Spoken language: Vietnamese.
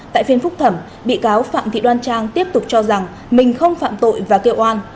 tại phiên phúc thẩm bị cáo phạm thị đoan trang tiếp tục cho rằng mình không phạm tội và kêu oan